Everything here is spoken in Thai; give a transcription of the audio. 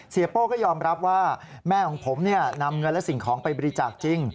โป้ก็ยอมรับว่าแม่ของผมนำเงินและสิ่งของไปบริจาคจริง